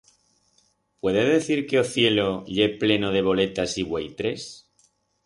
Puede decir que o cielo ye pleno de voletas y vueitres?